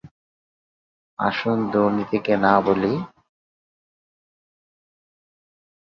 এই স্থানটি ঘাগগার-হাকরা নদীর সমভূমিতে অবস্থিত।